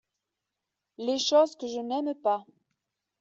Les choses que je n’aime pas.